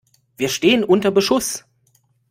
Wir stehen unter Beschuss!